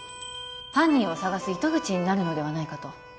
犯人を捜す糸口になるのではないかと